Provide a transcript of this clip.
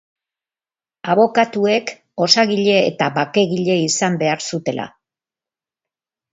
Abokatuek osagile eta bakegile izan behar zutela.